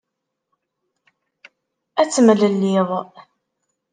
Ad temlelliḍ.